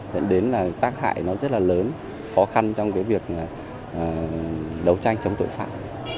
dẫn đến là tác hại nó rất là lớn khó khăn trong cái việc đấu tranh chống tội phạm